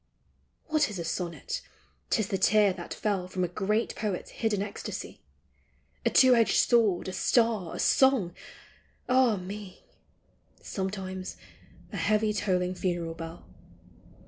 What is a sonnet ? 'T is the tear that fell From a great poet's hidden ecstasy ; A two edged sword, a star, a song, — ah me ! Sometimes a heavy tolling funeral bell.